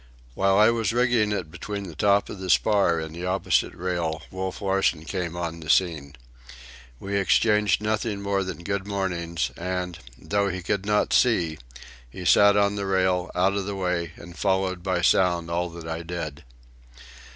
While I was rigging it between the top of the spar and the opposite rail, Wolf Larsen came on the scene. We exchanged nothing more than good mornings, and, though he could not see, he sat on the rail out of the way and followed by the sound all that I did.